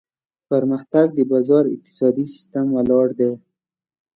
پرمختګ د بازار اقتصادي سیستم ولاړ دی.